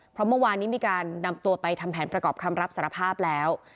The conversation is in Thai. เพราะเมื่อวานนี้มีการนำตัวไปทำแผนประกอบคำรับสารภาพแล้ว